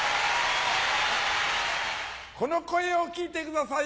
この声を聞いてください